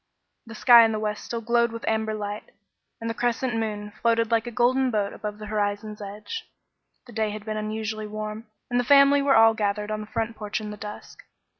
The sky in the west still glowed with amber light, and the crescent moon floated like a golden boat above the horizon's edge. The day had been unusually warm, and the family were all gathered on the front porch in the dusk.